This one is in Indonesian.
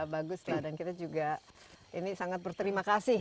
baguslah dan kita juga ini sangat berterima kasih